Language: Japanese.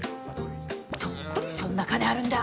どこにそんな金あるんだ！